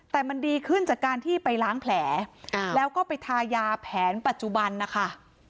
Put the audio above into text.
แต่มันดีขึ้นจากการที่ไปล้างแผลแล้วก็ไปทายาแผนปัจจุบันนะคะ